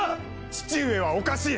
父上はおかしい。